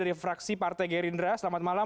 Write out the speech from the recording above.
dari fraksi partai gerindra selamat malam